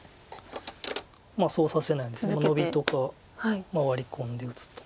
まあそうさせないようにノビとかワリ込んで打つとか。